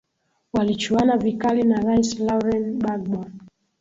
walichuana vikali na rais lauren bagbo